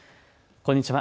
こんにちは。